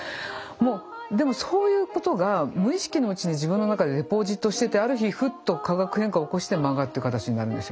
もうでもそういうことが無意識のうちに自分の中でデポジットしててある日ふっと化学変化を起こして漫画っていう形になるんですよ。